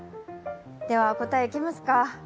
では答えいきますか。